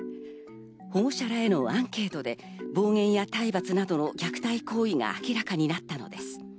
保護者らへのアンケートで暴言や体罰などの虐待行為が明らかになったのです。